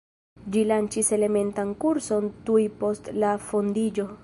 Ĝi lanĉis elementan kurson tuj post la fondiĝo.